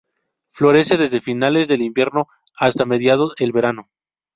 Florece desde finales de invierno hasta mediado el verano.